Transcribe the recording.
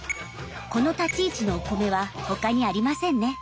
この立ち位置のお米は他にありませんね。